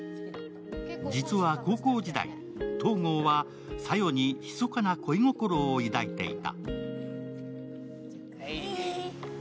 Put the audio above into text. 実は高校時代、東郷は小夜に密かな恋心を抱いていた。